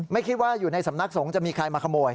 ไม่คิดว่าอยู่ในสำนักสงฆ์จะมีใครมาขโมย